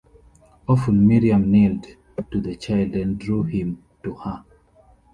Often Miriam kneeled to the child and drew him to her.